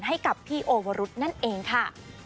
ให้กับพี่โอวรุษนั่นเองค่ะ